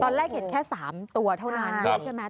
ตอนแรกเห็นแค่๓ตัวเท่านั้นด้วยใช่ไหม